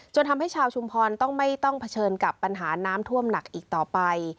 ทำให้ชาวชุมพรต้องไม่ต้องเผชิญกับปัญหาน้ำท่วมหนักอีกต่อไป